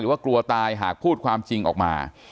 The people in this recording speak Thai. ว่ากลัวตายหากพูดความจริงออกมา